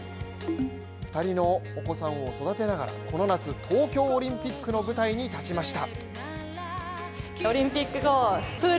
２人のお子さんを育てながら、この夏東京オリンピックの舞台に立ちました。